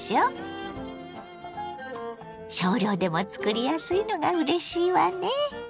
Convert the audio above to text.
少量でもつくりやすいのがうれしいわね。